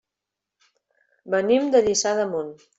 Venim de Lliçà d'Amunt.